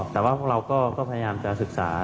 แต่ว่าพวกเราก็พยายามจะศึกษา